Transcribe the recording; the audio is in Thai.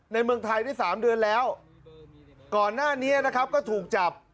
เมืองไทยได้สามเดือนแล้วก่อนหน้านี้นะครับก็ถูกจับ